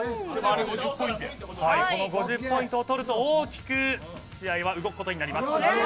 この５０ポイントを取ると大きく試合が動くことになります。